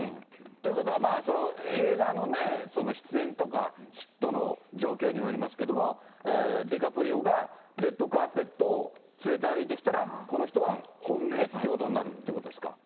ということは、映画のね、出演とか、ヒットの状況にもよりますけれども、ディカプリオがレッドカーペットを連れて歩いてきたら、この人は本命ってことになるってことですか。